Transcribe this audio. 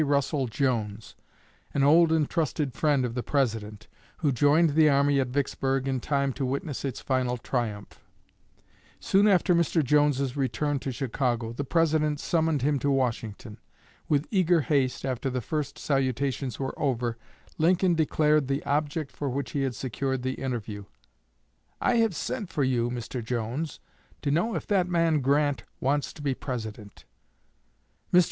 Russell Jones, an old and trusted friend of the President, who joined the army at Vicksburg in time to witness its final triumph. Soon after Mr. Jones's return to Chicago, the President summoned him to Washington. With eager haste, after the first salutations were over, Lincoln declared the object for which he had secured the interview: "'I have sent for you, Mr. Jones, to know if that man Grant wants to be President.' Mr.